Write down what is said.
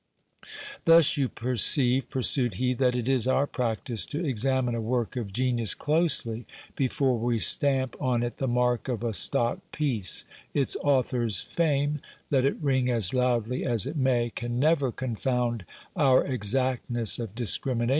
Thus you perceive, pursued he, that it is our practice to examine a work of 3SO GIL BLAS. genius closely before we stamp on it the mark of a stock piece : its author's tame, let it ring as loudly as it may, can never confound our exactness of dis crimination.